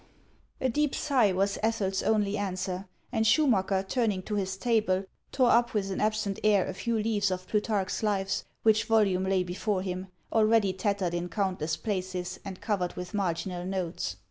A deep sigh was Ethel's only answer; and Schumacker, turning to his table, tore up with an absent air a few leaves of " Plutarch's Lives," which volume lay before him, already tattered in countless places, and covered with marginal notes.